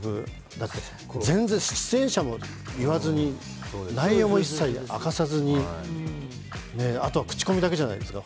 だって全然、出演者も言わずに内容も一切明かさずにあとは口コミだけじゃないですか。